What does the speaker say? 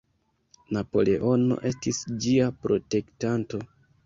Napoleono estis ĝia "protektanto".